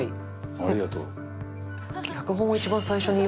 ありがとう。